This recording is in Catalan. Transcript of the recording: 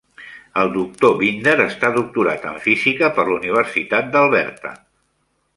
El Doctor Binder està doctorat en Física per la Universitat d'Alberta.